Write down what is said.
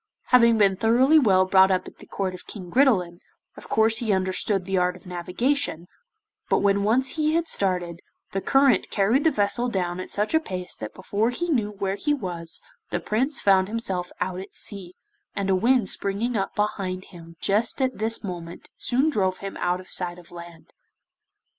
Having been thoroughly well brought up at the court of King Gridelin, of course he understood the art of navigation, but when once he had started, the current carried the vessel down at such a pace that before he knew where he was the Prince found himself out at sea, and a wind springing up behind him just at this moment soon drove him out of sight of land.